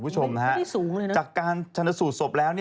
จากการชันสูตรศพแล้ว